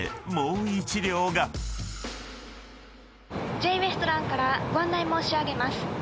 Ｊウエストランからご案内申し上げます。